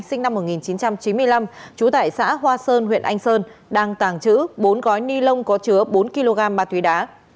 sinh năm một nghìn chín trăm chín mươi năm trú tại xã hoa sơn huyện anh sơn đang tàng trữ bốn gói ni lông có chứa bốn kg ma túy đá